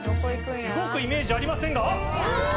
動くイメージありませんがあっ。